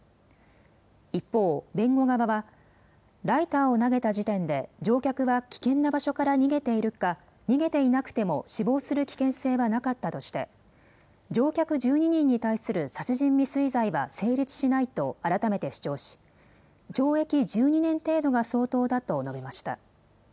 一方、弁護側は、ライターを投げた時点で、乗客は危険な場所から逃げているか、逃げていなくても死亡する危険性はなかったとして、乗客１２人に対する殺人未遂罪は成立しないと改めて主張し、懲役１２年程度が相当だと述べました。